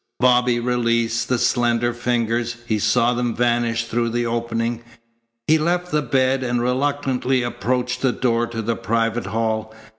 Bobby released the slender fingers. He saw them vanish through the opening. He left the bed and reluctantly approached the door to the private hall.